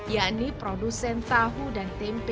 yakni produsen tahu dan tempe